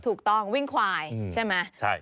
ถูกต้องวิ่งควายใช่ไหม